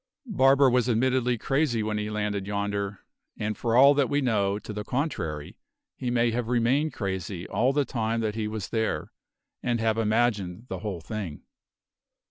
Barber was admittedly crazy when he landed yonder, and for all that we know to the contrary he may have remained crazy all the time that he was there, and have imagined the whole thing."